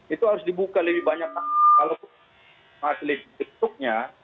itu harus dibuka lebih banyak kalau wisma atlet ditutupnya